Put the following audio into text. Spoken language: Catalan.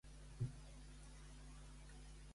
Visitarem Xixona, Xàbia, Xilxes i Xodos.